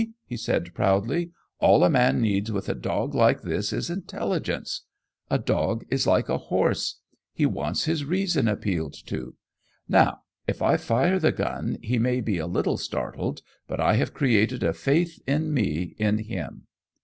he said proudly. "All a man needs with a dog like this is intelligence. A dog is like a horse. He wants his reason appealed to. Now, if I fire the gun, he may be a little startled, but I have created a faith in me in him.